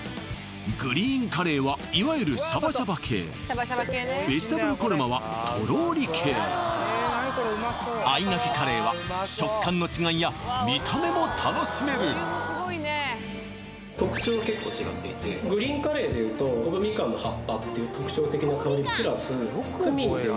グリーンカレーはいわゆるシャバシャバ系ベジタブルコルマはとろり系あいがけカレーは食感の違いや見た目も楽しめる特徴は結構違っていてグリーンカレーで言うとコブミカンの葉っぱっていう特徴的な香りプラスクミンっていう